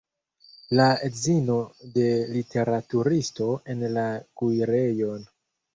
La edzino de literaturisto en la kuirejon!